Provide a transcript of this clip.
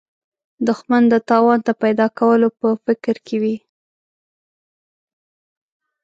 دښمن د تاوان د پیدا کولو په فکر کې وي